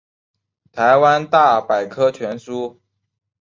台湾大百科全书